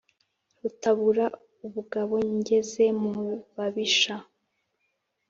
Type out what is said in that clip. rutabura ubugabo ngeze mu babisha